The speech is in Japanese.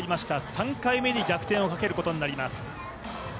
３回目に逆転をかけることになります。